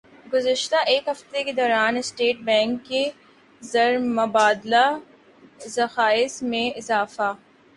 گزشتہ ایک ہفتہ کے دوران اسٹیٹ بینک کے زرمبادلہ ذخائر میں اضافہ